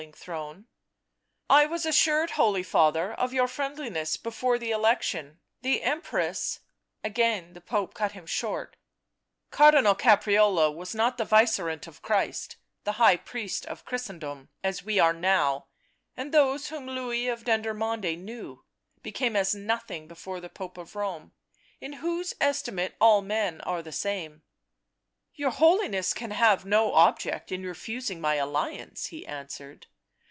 Digitized by UNIVERSITY OF MICHIGAN Original from UNIVERSITY OF MICHIGAN 210 BLACK MAGIC " I was assured, Holy Father, of your friendliness before the election— the Empress 55 Again the Pope cut him short :" Cardinal Caprarola was not the Vicegerent of Christ, the High Priest of Christendom, as we are now — and those whom Louis of Dendermonde knew, become as nothing before the Pope of Home, in whose estimate all men are the same." " Your Holiness can have no object in refusing my alliance," he answered.